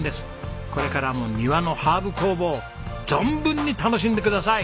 これからも庭のハーブ工房存分に楽しんでください。